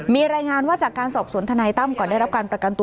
มีรายงานว่าจากการสอบสวนทนายตั้มก่อนได้รับการประกันตัว